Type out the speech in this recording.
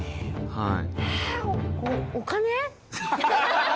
はい。